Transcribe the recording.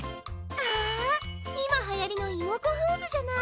あいまはやりのイモコフーズじゃない！